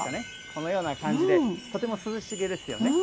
このような感じで、とても涼しげですよね。